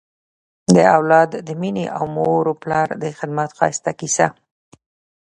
د اولاد د مینې او مور و پلار د خدمت ښایسته کیسه